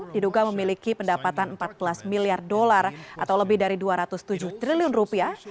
diduga memiliki pendapatan empat belas miliar dolar atau lebih dari dua ratus tujuh triliun rupiah